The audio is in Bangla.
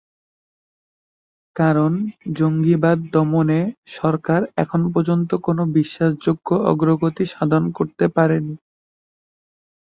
কারণ, জঙ্গিবাদ দমনে সরকার এখন পর্যন্ত কোনো বিশ্বাসযোগ্য অগ্রগতি সাধন করতে পারেনি।